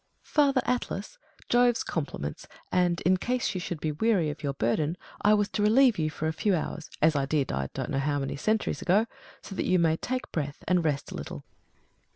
Father Atlas, Jove's compliments, and in case you should be weary of your burden, I was to relieve you for a few hours, as I did I don't know how many cen turies ago, so that you may take breath, and rest a little.